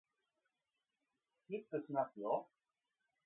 キックしますよ